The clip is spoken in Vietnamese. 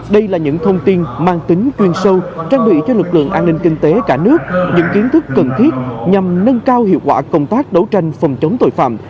đây là những thông tin mang tính chuyên sâu trang bị cho lực lượng an ninh kinh tế cả nước những kiến thức cần thiết nhằm nâng cao hiệu quả công tác đấu tranh phòng chống tội phạm